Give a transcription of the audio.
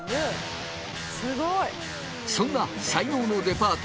すごいそんな才能のデパート